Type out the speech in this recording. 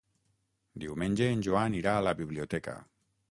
Diumenge en Joan irà a la biblioteca.